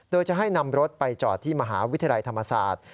โดยจะให้นำรถไปจอดที่มหาวิทยาลัยธรรมศาสตร์